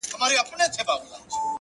• تشه له سرو میو شنه پیاله به وي -